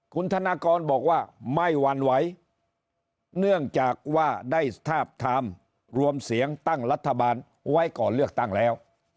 คุณธนากรบอกว่าไม่หวั่นไหวเนื่องจากว่าได้ทาบทามรวมเสียงตั้งรัฐบาลไว้ก่อนเลือกตั้งแล้ว